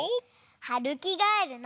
はるきがえるの。